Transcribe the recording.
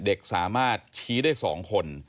เด็กสามารถชี้ได้๒คน